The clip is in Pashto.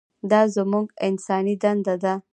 دا زموږ انساني دنده ده.